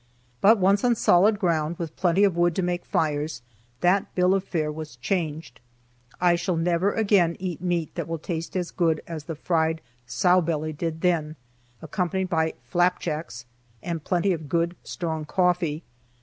But once on solid ground, with plenty of wood to make fires, that bill of fare was changed. I shall never again eat meat that will taste as good as the fried "sowbelly" did then, accompanied by "flapjacks" and plenty of good, strong coffee.